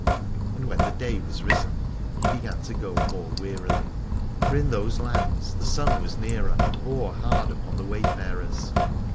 And when the day was risen he began to go more wearily : for in those lands the sun was nearer and bore hard upon the way farers.